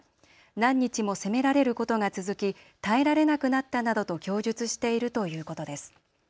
何日も責められることが続き耐えられなくなったなどと供述しているということです。